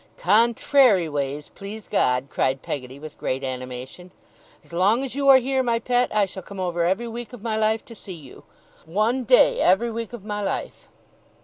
'Contrary ways, please God!' cried Peggotty, with great animation. 'As long as you are here, my pet, I shall come over every week of my life to see you. One day, every week of my life!